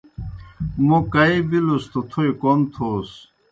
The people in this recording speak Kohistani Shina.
موں کائی بِلُس توْ تھوئے کوْم تھوس۔